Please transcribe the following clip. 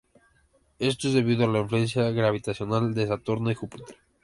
Esto es debido a la influencia gravitacional de Saturno y Júpiter.